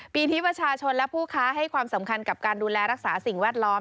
ปีที่ประชาชนและผู้ค้าให้ความสำคัญกับการดูแลรักษาสิ่งแวดล้อม